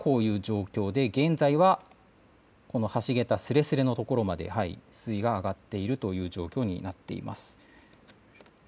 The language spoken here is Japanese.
平常時がこういう状況で現在が橋桁すれすれのところまで水位が上がっているという状況になっています。